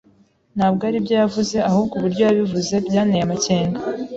Ntabwo aribyo yavuze, ahubwo uburyo yabivuze byanteye amakenga.